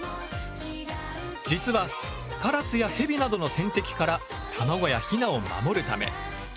実はカラスやヘビなどの天敵から卵やヒナを守るため。